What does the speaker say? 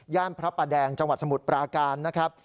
พระประแดงจังหวัดสมุทรปราการนะครับ